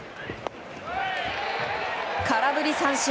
空振り三振！